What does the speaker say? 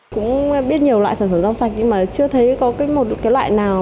cũng biết nhiều loại sản phẩm rau sạch nhưng mà chưa thấy có một cái loại nào